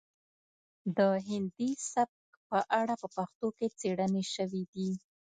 د هندي سبک په اړه په پښتو کې څیړنې شوي دي